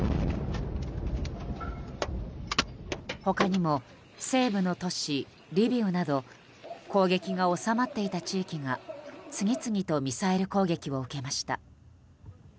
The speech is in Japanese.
他にも西部の都市リビウなど攻撃が収まっていた地域が次々とミサイル攻撃を受けました。